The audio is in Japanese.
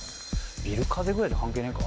ビル風ぐらいじゃ関係ねえか。